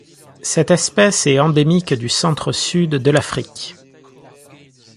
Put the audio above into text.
Cette espèce est endémique du centre-Sud de l'Afrique.